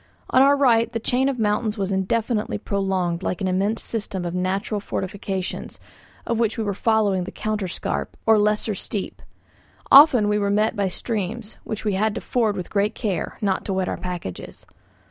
On our right the chain of mountains was indefinitely prolonged like an immense system of natural fortifications, of which we were following the counter scarp or lesser steep; often we were met by streams, which we had to ford with great care, not to wet our packages.